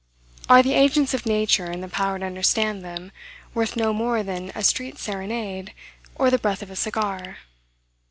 Are the agents of nature, and the power to understand them, worth no more than a street serenade, or the breath of a cigar?